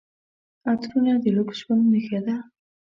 عطرونه د لوکس ژوند نښه ده.